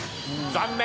残念！